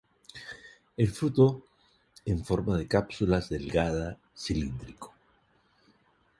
El fruto en forma de cápsula delgada cilíndrico.